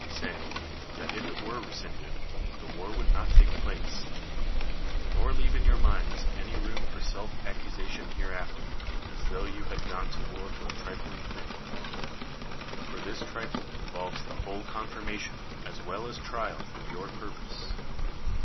10 PERICLES [saying,] that if it were rescinded, the war would not take place : nor leave in your minds any room for self accusation hereafter, as tho you had gone to war for a trivial thing. For this trifle involves the whole confirmation, as well as trial, of your purpose.